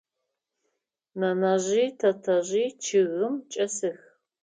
Нэнэжъи тэтэжъи чъыгым чӏэсых.